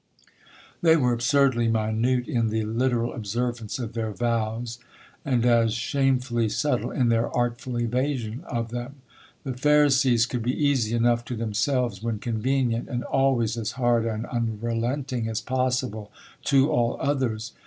They were absurdly minute in the literal observance of their vows, and as shamefully subtile in their artful evasion of them. The Pharisees could be easy enough to themselves when convenient, and always as hard and unrelenting as possible to all others.